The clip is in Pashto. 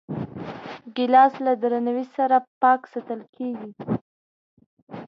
ګیلاس له درناوي سره پاک ساتل کېږي.